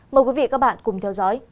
mời quý vị các bạn cùng theo dõi